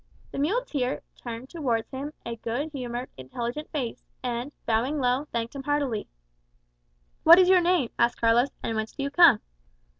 The muleteer turned towards him a good humoured, intelligent face, and, bowing low, thanked him heartily. "What is your name?" asked Carlos; "and whence do you come?"